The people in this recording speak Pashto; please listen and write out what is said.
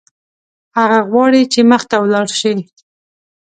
هغه غواړي چې مخته ولاړ شي.